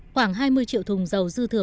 khoảng hai mươi triệu thùng dầu dư thừa